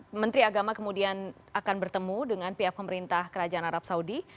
menteri agama kemudian akan bertemu dengan pihak pemerintah kerajaan arab saudi